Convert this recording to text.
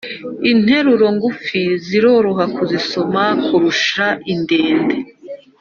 Interuro ngufi ziroroha kuzisoma kurusha indende